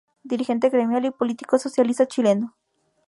Dirigente gremial y político socialista chileno.